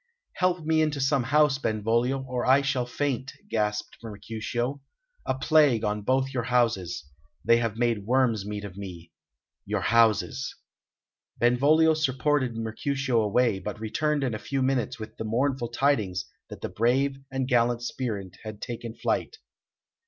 "Help me into some house, Benvolio, or I shall faint," gasped Mercutio.... "A plague on both your houses! ... they have made worm's meat of me ... your houses...." Benvolio supported Mercutio away, but returned in a few minutes with the mournful tidings that the brave and gallant spirit had taken flight.